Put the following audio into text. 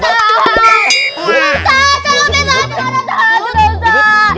tuhan tolong bantu